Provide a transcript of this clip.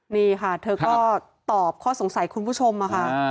นี่ค่ะเธอก็ตอบข้อสงสัยคุณผู้ชมค่ะ